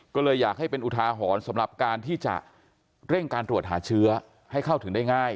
ก็เลยอยากให้เป็นอุทาหรณ์สำหรับการที่จะเร่งการตรวจหาเชื้อให้เข้าถึงได้ง่าย